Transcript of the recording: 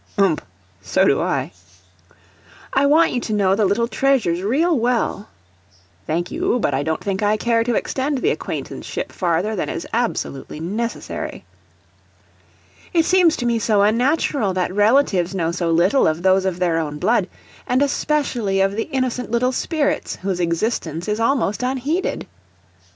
[Ump so do I.] I want you to know the little treasures real well. [Thank you, but I don't think I care to extend the acquaintanceship farther than is absolutely necessary.] It seems to me so unnatural that relatives know so little of those of their own blood, and especially of the innocent little spirits whose existence is almost unheeded.